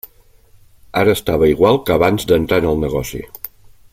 Ara estava igual que abans d'entrar en el negoci.